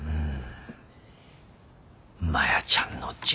うん。